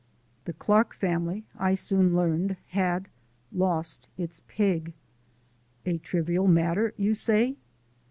The Clark family, I soon learned, had lost its pig. A trivial matter, you say?